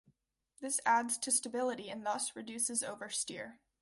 This adds to stability and thus, reduces oversteer.